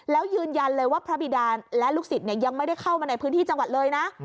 แล้วยืนยันเลยว่าพระบิดาและลูกศิษย์ยังไม่ได้เข้ามาในพื้นที่จังหวัดเลยนะ